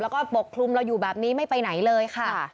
แล้วก็ปกคลุมเราอยู่แบบนี้ไม่ไปไหนเลยค่ะ